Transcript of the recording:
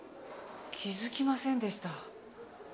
気付きませんでした。